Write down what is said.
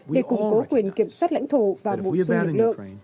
để củng cố quyền kiểm soát lãnh thổ và bổ sung lực lượng